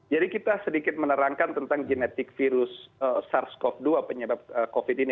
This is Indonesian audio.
jadi kita sedikit menerangkan tentang genetik virus sars cov dua penyebab covid ini